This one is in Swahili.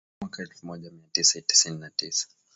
mwaka elfu moja mia tisa tisini na tisa